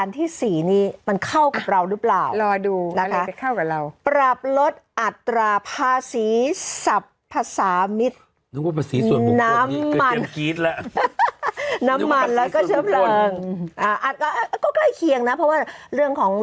เราไปเรียบกล้น